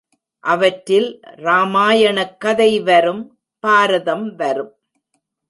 அவற்றில் ராமாயணக் கதை வரும் பாரதம் வரும்.